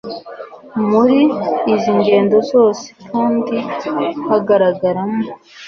muri izi nzego zose kandi hagaragaramo